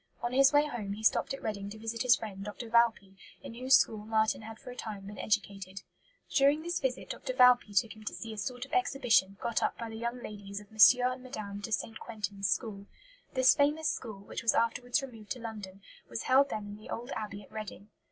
On his way home he stopped at Reading to visit his friend Dr. Valpy, in whose school Marten had for a time been educated. During this visit Dr. Valpy took him to see "a sort of exhibition" got up by the "young ladies" of M. and Mme. de St. Quentin's school. This famous school, which was afterwards removed to London, was held then in the old Abbey at Reading.